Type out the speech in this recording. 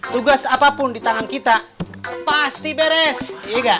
tugas apapun di tangan kita pasti beres iya